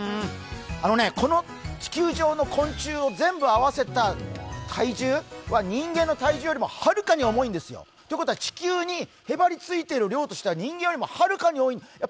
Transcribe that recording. この地球上の昆虫を全部合わせた体重は人間の体重よりもはるかに重いんですよ。ということは地球にへばりついている量としては人間よりもはるかに多いんですよ。